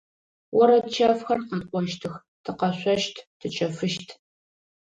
Орэд чэфхэр къэтӏощтых, тыкъэшъощт, тычэфыщт.